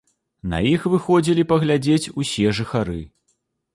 На іх выходзілі паглядзець усе жыхары.